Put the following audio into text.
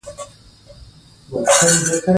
بادام د افغانستان د ځانګړي ډول جغرافیه استازیتوب کوي.